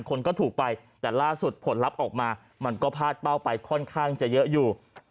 คนก็ถูกไปแต่ล่าสุดผลลัพธ์ออกมามันก็พาดเป้าไปค่อนข้างจะเยอะอยู่